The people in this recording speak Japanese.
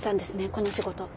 この仕事。